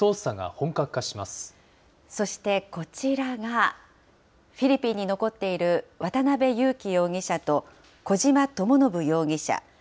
そしてこちらが、フィリピンに残っている渡邉優樹容疑者と、小島智信容疑者。